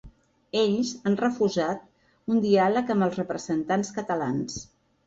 Ells han refusat un diàleg amb els representants catalans.